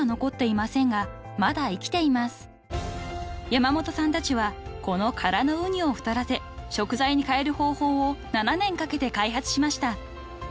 ［山本さんたちはこの空のウニを太らせ食材に変える方法を７年かけて開発しました］